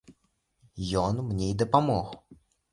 Ён мне і дапамог.